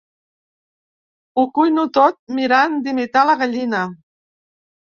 Ho cuino tot mirant d'imitar la gallina.